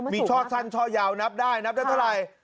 หัวชลังช่อยาวนับได้นับได้เท่าไร